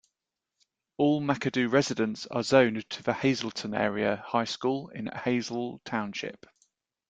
All McAdoo residents are zoned to the Hazleton Area High School in Hazle Township.